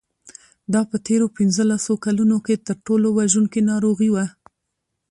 دا په تېرو پنځلسو کلونو کې تر ټولو وژونکې ناروغي وه.